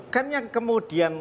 kan yang kemudian